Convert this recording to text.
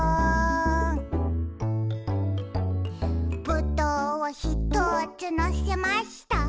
「ぶどうをひとつのせました」